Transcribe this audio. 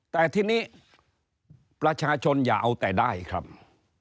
แต่ทีนี้ประชาชนอย่าเอาแต่ได้ครับ